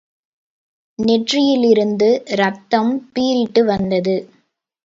நெற்றியிலிருந்து ரத்தம் பீறிட்டு வந்தது.